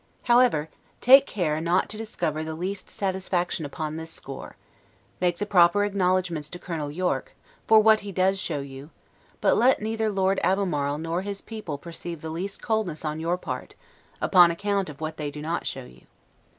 However, take care not to discover the least dissatisfaction upon this score: make the proper acknowledgments to Colonel Yorke, for what he does show you; but let neither Lord Albemarle nor his people perceive the least coldness on your part, upon account of what they do not show you.